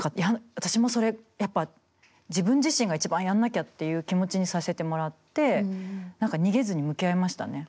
私もそれやっぱ自分自身が一番やんなきゃっていう気持ちにさせてもらって何か逃げずに向き合えましたね。